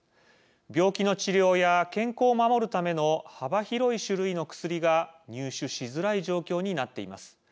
病気の治療や健康を守るための幅広い種類の薬が入手しづらい状況になっています。